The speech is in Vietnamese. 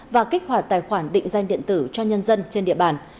và kích hoạt tài khoản định danh điện tử cho nhân dân trên địa bàn